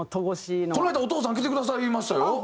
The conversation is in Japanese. この間お父さん来てくださいましたよ。